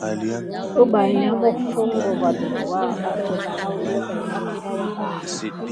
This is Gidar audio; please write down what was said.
Umpay ne mā foŋko va ɗurwa ada epəŋle amagava def perine.